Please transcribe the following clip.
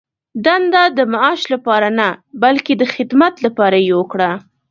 دنده د معاش لپاره نه، بلکې د خدمت لپاره یې وکړه.